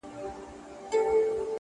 راټول سوی وه مېږیان تر چتر لاندي؛